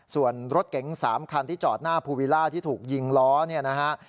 ส่วนรถเก๋ง๓คันที่จอดหน้าภูวิล่าที่ถูกยิงล้อเนี่ยนะฮะ